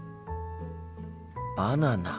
バナナか。